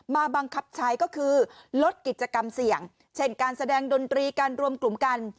บังคับใช้ก็คือลดกิจกรรมเสี่ยงเช่นการแสดงดนตรีการรวมกลุ่มกัน